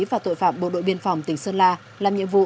và tội phạm bộ đội biên phòng tỉnh sơn la làm nhiệm vụ